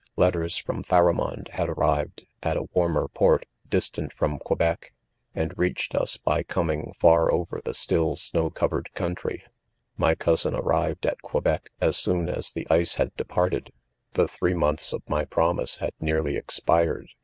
£ Letters from Pharamond had arrived, at a warmer port, distant from Quebec :j and reach ed 11s by coming far over the still isnow cov ered country. '•''• i M.j cousin arrived at Quebec as soon as the ice had departed. The three months of my promise had nearly expired.